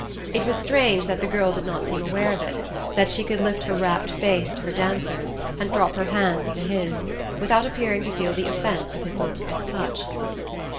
It was strange that the girl did not seem aware of it: that she could lift her rapt face to her dancer's, and drop her hands into his, without appearing to feel the offence of his look and touch.